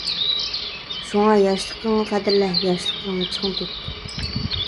شۇڭا ياشلىقىڭنى قەدىرلە، ياشلىقىڭنى چىڭ تۇت.